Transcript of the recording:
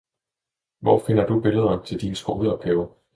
Hvor finder du billeder til din skoleopgave?